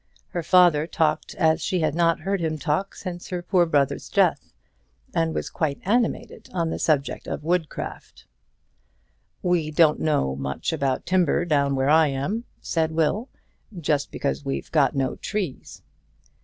Her father talked as she had not heard him talk since her poor brother's death, and was quite animated on the subject of woodcraft. "We don't know much about timber down where I am," said Will, "just because we've got no trees."